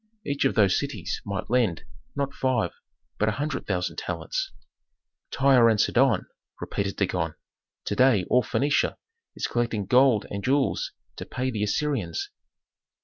"Each of those cities might lend, not five, but a hundred thousand talents." "Tyre and Sidon!" repeated Dagon. "To day all Phœnicia is collecting gold and jewels to pay the Assyrians.